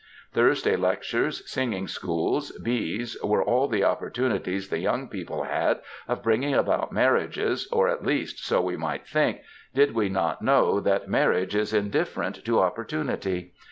Thursday lectures, singing schools, bees, were all the opportunities the young people had of bringing about marriages, or, at least, so we might think, did we not know that marriage is in different to opportunity!